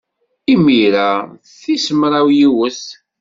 Imir-a d tis mraw yiwet.